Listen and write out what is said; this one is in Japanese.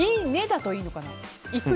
だといいのかな？